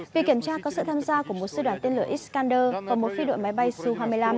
vì kiểm tra có sự tham gia của một sư đoàn tên lửa iskander và một phi đội máy bay su hai mươi năm